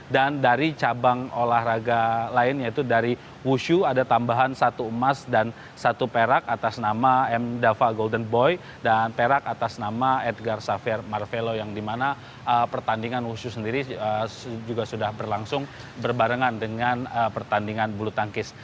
dan dari cabang olahraga lain yaitu dari wushu ada tambahan satu emas dan satu perak atas nama m dava golden boy dan perak atas nama edgar saver marvelo yang dimana pertandingan wushu sendiri juga sudah berlangsung berbarengan dengan pertandingan belutangkis